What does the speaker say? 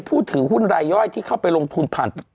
ผู้ถือหุ้นรายย่อยที่เข้าไปลงทุนผ่าน